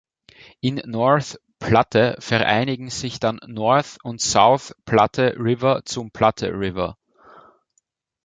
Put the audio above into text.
In North Platte vereinigen sich dann North- und South Platte River zum Platte River.